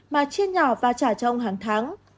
mà chia nhỏ và trả cho ông hàng tháng